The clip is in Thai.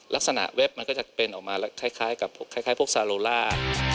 เว็บมันก็จะเป็นออกมาคล้ายกับคล้ายพวกซาโลล่า